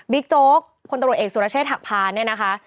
บิ๊กโจ๊กคนตรวจเอกสูรเชษฐกพาณ